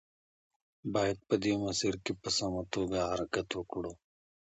باید په دې مسیر کې په سمه توګه حرکت وکړو.